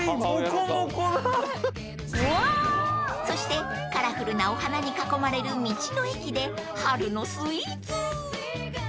［そしてカラフルなお花に囲まれる道の駅で春のスイーツ］